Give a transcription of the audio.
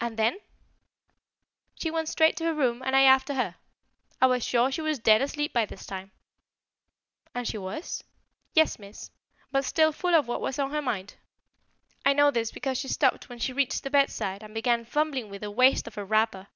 "And then?" "She went straight to her room and I after her. I was sure she was dead asleep by this time." "And she was?" "Yes, Miss; but still full of what was on her mind. I know this because she stopped when she reached the bedside and began fumbling with the waist of her wrapper.